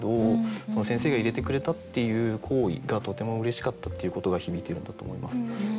その「先生が入れてくれた」っていう行為がとてもうれしかったっていうことが響いているんだと思います。